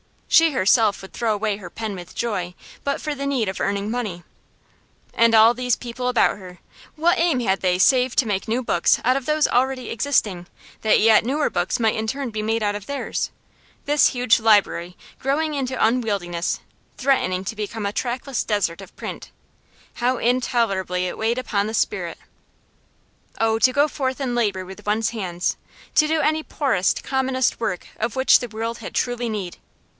She herself would throw away her pen with joy but for the need of earning money. And all these people about her, what aim had they save to make new books out of those already existing, that yet newer books might in turn be made out of theirs? This huge library, growing into unwieldiness, threatening to become a trackless desert of print how intolerably it weighed upon the spirit! Oh, to go forth and labour with one's hands, to do any poorest, commonest work of which the world had truly need!